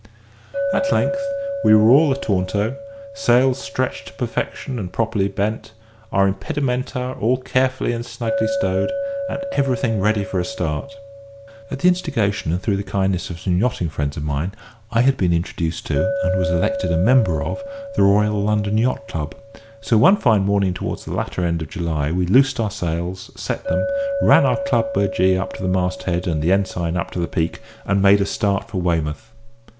At length we were all ataunto; sails stretched to perfection and properly bent, our impedimenta all carefully and snugly stowed, and everything ready for a start. At the instigation and through the kindness of some yachting friends of mine, I had been introduced to and was elected a member of the Royal Yacht Club; so one fine morning towards the latter end of July we loosed our sails, set them, ran our Club burgee up to the mast head and the ensign up to the peak, and made a start for Weymouth.